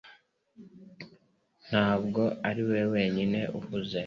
Ntabwo ari wowe wenyine uhuze